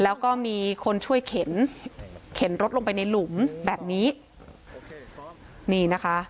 แล้วก็มีคนช่วยเข็นเข็นรถลงไปในหลุมแบบนี้นี่นะคะ